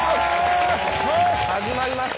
始まりました。